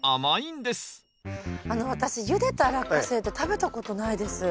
あの私ゆでたラッカセイって食べたことないです。